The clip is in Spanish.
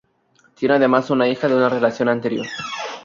Tiene además una hija de una relación anterior.